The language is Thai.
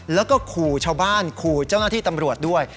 แล้วก็ขู่ชาวบ้านขู่เจ้าหน้าที่ตำรวจด้วย